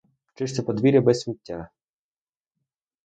Чисте подвір'я без сміття!